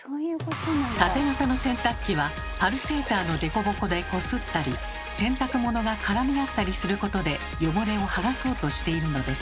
タテ型の洗濯機はパルセーターの凸凹でこすったり洗濯物が絡み合ったりすることで汚れをはがそうとしているのです。